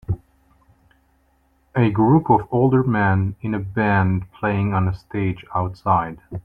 A group of older men in a band playing on a stage outside.